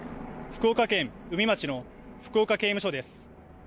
福岡県宇美町の福岡刑務所です。